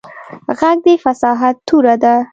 غږ د فصاحت توره ده